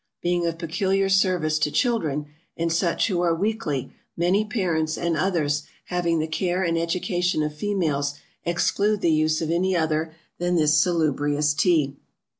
Being of peculiar service to children, and such who are weakly, many Parents, and others, having the care and education of Females, exclude the use of any other than this salubrious Tea.